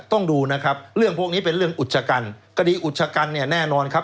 ต้องดูนะครับเรื่องพวกนี้เป็นเรื่องอุจกันคดีอุชกันเนี่ยแน่นอนครับ